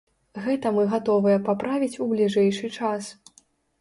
Гэта мы гатовыя паправіць у бліжэйшы час.